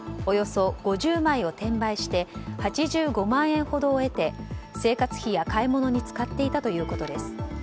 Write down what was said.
およそ５０枚を転売して８５万円ほどを得て生活費や買い物に使っていたということです。